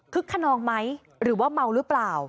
ขนองไหมหรือว่าเมาหรือเปล่า